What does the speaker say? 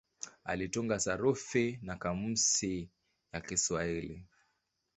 Alitunga sarufi na kamusi ya Kiswahili.